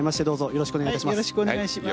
よろしくお願いします。